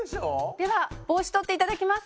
では帽子取っていただきます。